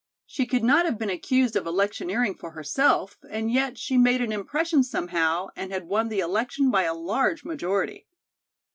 She could not have been accused of electioneering for herself, and yet she made an impression somehow and had won the election by a large majority.